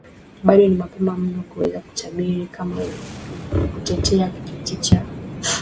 bado ni mapema mno kuweza kutabiri kama kutetea kiti cha